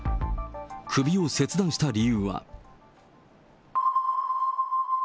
首を切断した理由は。